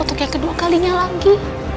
untuk yang kedua kalinya lagi